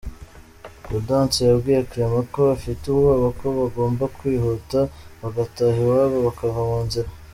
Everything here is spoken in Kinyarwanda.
Gaudence yabwiye Clément ko afite ubwoba ko bagomba kwihuta bagataha iwabo bakava mu nzira.